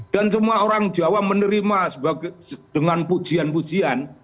dan semua orang jawa menerima dengan pujian pujian